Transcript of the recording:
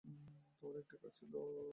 তোমার একটাই কাজ ছিল, মেয়ার।